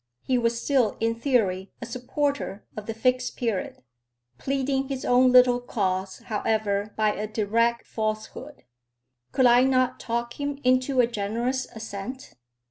He was still in theory a supporter of the Fixed Period, pleading his own little cause, however, by a direct falsehood. Could I not talk him into a generous assent?